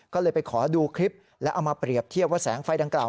ก็เลยไปขอดูคลิปแล้วเอามาเปรียบเทียบว่าแสงไฟดังกล่าว